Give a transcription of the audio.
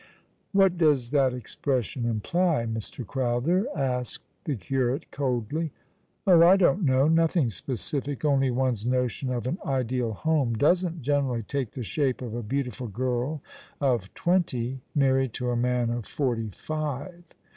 " What does that expression imply, Mr. Crowther ?" asked the curate, coldly. " Oh, I don't know ! Nothing specific : only one's 'notion of an ideal home doesn't generally take the shape of a beautiful girl of twenty married to a man of forty five.